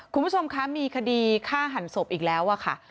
คุณผู้ชมคะมีคดีฆ่าหันศพอีกแล้วอะค่ะ